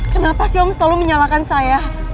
kenapa sih om selalu menyalahkan saya